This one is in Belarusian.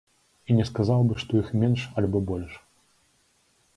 І не сказаў бы, што іх менш, альбо больш.